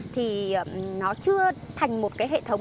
thì nó chưa thành một cái hệ thống